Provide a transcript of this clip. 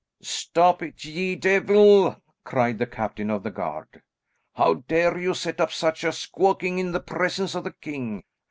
"Stop it, ye deevil!" cried the captain of the guard. "How dare you set up such a squawking in the presence of the king?"